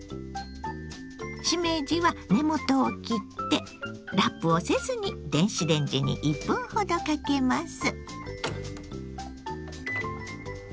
しめじは根元を切ってラップをせずに電子レンジに１分ほどかけます。